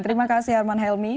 terima kasih arman helmi